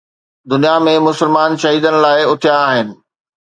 دنيا ۾ مسلمان شهيدن لاءِ اٿيا آهن.